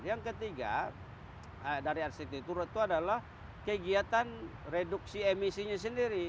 yang ketiga dari arsite tour itu adalah kegiatan reduksi emisinya sendiri